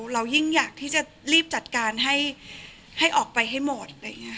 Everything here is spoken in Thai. เรายิ่งอยากที่จะรีบจัดการให้ออกไปให้หมด